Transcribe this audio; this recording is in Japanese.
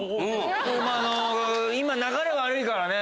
今流れ悪いからね。